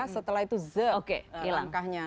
setelah itu zek langkahnya